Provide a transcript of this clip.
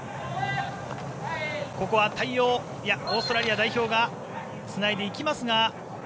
ここはオーストラリア代表がつないでいきますが。